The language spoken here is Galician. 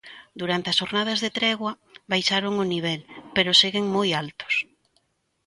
Durante as xornadas de tregua baixaron o nivel, pero seguen moi altos.